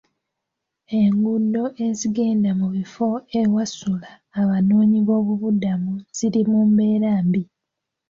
Enguudo ezigenda mu bifo ewasula abanooboobubudamu ziri mu mbeera mbi.